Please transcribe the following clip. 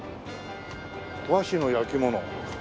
和紙の焼き物。